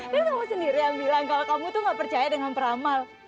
dari kamu sendiri yang bilang kalau kamu tuh gak percaya dengan peramal